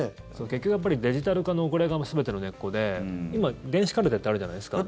結局、デジタル化のこれが全ての根っこで今、電子カルテってあるじゃないですか。